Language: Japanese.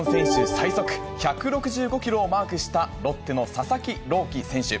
最速、１６５キロをマークしたロッテの佐々木朗希選手。